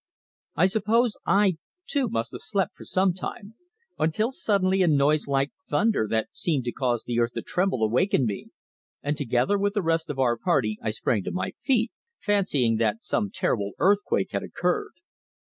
I suppose I, too, must have slept for some time, until suddenly a noise like thunder that seemed to cause the earth to tremble awakened me, and together with the rest of our party I sprang to my feet, fancying that some terrible earthquake had occurred.